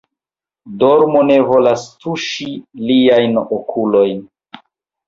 Dormo ne volas tuŝi liajn okulojn.